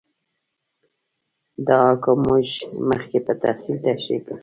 دا حکم موږ مخکې په تفصیل تشرېح کړ.